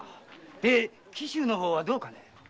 で紀州の方はどうかね？